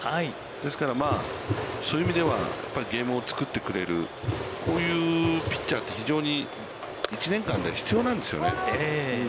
ですから、そういう意味ではゲームを作ってくれる、こういうピッチャーって非常に１年間で必要なんですよね。